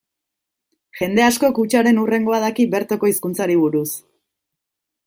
Jende askok hutsaren hurrengoa daki bertoko hizkuntzari buruz.